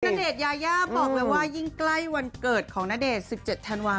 ณเดชน์ยายาบอกเลยว่ายิ่งใกล้วันเกิดของณเดชน์๑๗ธันวาค